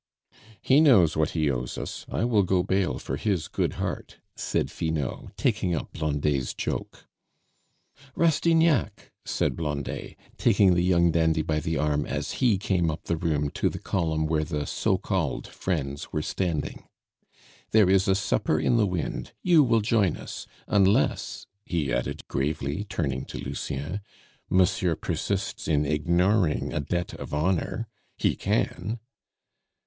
"He knows what he owes us; I will go bail for his good heart," said Finot, taking up Blondet's joke. "Rastignac," said Blondet, taking the young dandy by the arm as he came up the room to the column where the so called friends were standing. "There is a supper in the wind; you will join us unless," he added gravely, turning to Lucien, "Monsieur persists in ignoring a debt of honor. He can."